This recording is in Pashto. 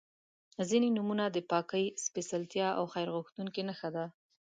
• ځینې نومونه د پاکۍ، سپېڅلتیا او خیر غوښتنې نښه ده.